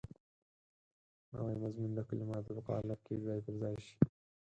نوی مضمون د کلماتو په قالب کې ځای پر ځای شي.